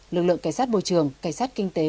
lực lượng cảnh sát môi trường cảnh sát kinh tế